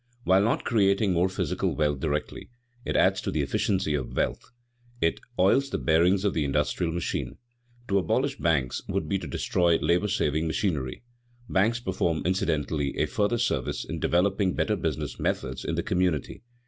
While not creating more physical wealth directly, it adds to the efficiency of wealth; it oils the bearings of the industrial machine. To abolish banks would be to destroy labor saving machinery. Banks perform incidentally a further service in developing better business methods in the community.